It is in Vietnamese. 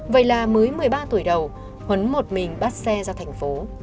vậy là mới một mươi ba tuổi đầu huấn một mình bắt xe ra thành phố